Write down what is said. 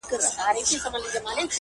د بُت له ستوني اورمه آذان څه به کوو؟.!